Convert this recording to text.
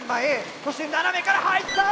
そして斜めから入った！